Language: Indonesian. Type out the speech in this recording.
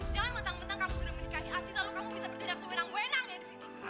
jangan mentang mentang kamu sudah menikahi asyik kamu bisa berjodoh sewenang wenang yang ada di sini